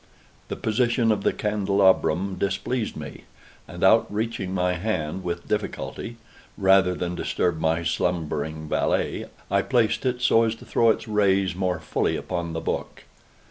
The position of the candelabrum displeased me, and outreaching my hand with difficulty, rather than disturb my slumbering valet, I placed it so as to throw its rays more fully upon the book.